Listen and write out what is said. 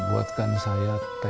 buatkan saya teh